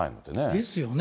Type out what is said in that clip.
ですよね。